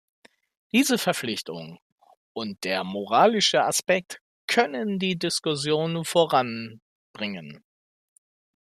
Diese Verpflichtung und der moralische Aspekt können die Diskussion voranbringen.